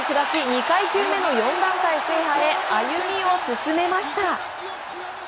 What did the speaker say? ２階級目の４団体制覇へ歩みを進めました。